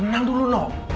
tenang dulu lino